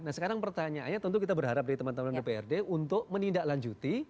nah sekarang pertanyaannya tentu kita berharap dari teman teman dprd untuk menindaklanjuti